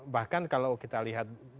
bahkan kalau kita lihat